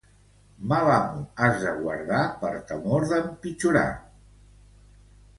Mal amo has de guardar, per temor d'empitjorar.